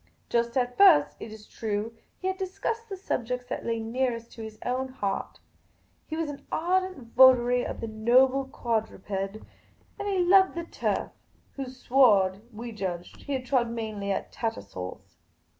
Just at first, it is true, he had discussed the subjects that la} nearest to his own heart. He was an ardent votary of the noble quad ruped ; and he loved the turf — whose sward, we judged, he trod mainly at Tattersall's.